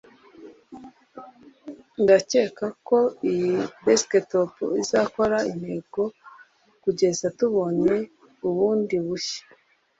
ndakeka ko iyi desktop izakora intego kugeza tubonye bundi bushya